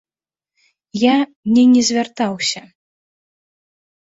Я не не звяртаўся.